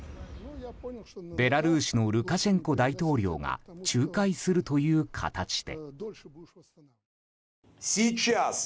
ベラルーシのルカシェンコ大統領が仲介するという形で。